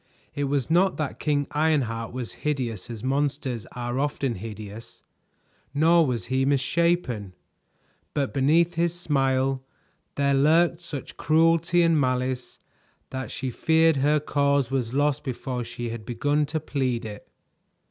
It was not that King Ironheart was hideous as monsters are often hideous, nor was he misshapen; but beneath his smile there lurked such cruelty and malice that she feared her cause was lost before she had begun to plead it.